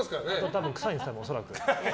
たぶん臭いんですよ、恐らく。